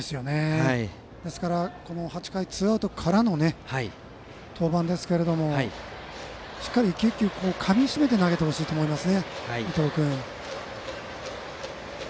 ですから８回ツーアウトからの登板ですけど伊藤君にはしっかり１球１球かみしめて投げてほしいと思います。